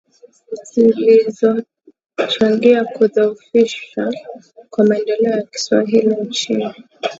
zilizochangia kudhoofisha kwa maendeleo ya kiswahili nchini